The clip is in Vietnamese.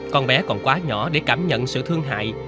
con bé còn quá nhỏ để cảm nhận sự thương hại